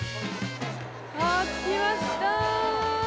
◆着きました。